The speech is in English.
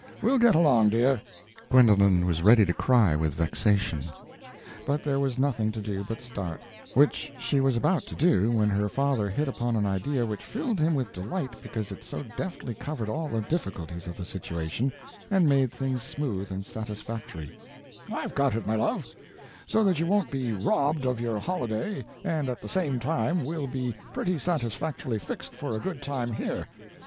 We'll get along, dear." Gwendolen was ready to cry with vexation. But there was nothing to do but start; which she was about to do when her father hit upon an idea which filled him with delight because it so deftly covered all the difficulties of the situation and made things smooth and satisfactory: "I've got it, my love, so that you won't be robbed of your holiday and at the same time we'll be pretty satisfactorily fixed for a good time here.